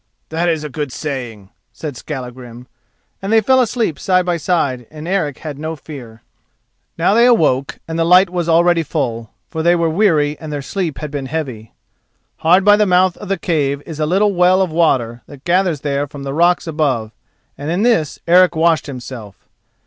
"That is a good saying," said Skallagrim, and they fell asleep side by side and Eric had no fear. Now they awoke and the light was already full, for they were weary and their sleep had been heavy. Hard by the mouth of the cave is a little well of water that gathers there from the rocks above and in this Eric washed himself.